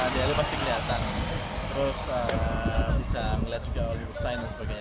dll pasti kelihatan terus bisa melihat juga hollywood sign dan sebagainya